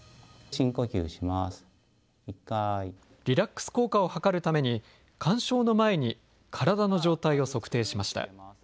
リラックス効果を計るために、鑑賞の前に体の状態を測定しました。